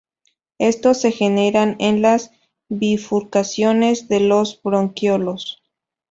Estos se generan en las bifurcaciones de los bronquiolos.